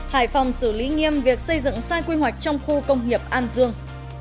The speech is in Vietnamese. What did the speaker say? hải phòng xử lý nghiêm việc xây dựng sai quy hoạch trong khu công nghiệp an dương